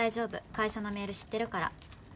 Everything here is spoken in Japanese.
会社のメール知ってるから。